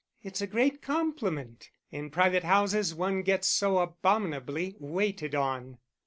"It's a great compliment: in private houses one gets so abominably waited on."